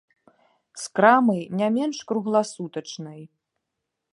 З крамай, не менш кругласутачнай.